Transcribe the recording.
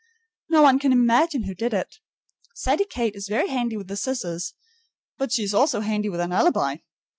No one can imagine who did it. Sadie Kate is very handy with the scissors, but she is also handy with an alibi!